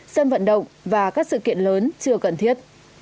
sân vận động và các sự kiện lớn chưa cần thiết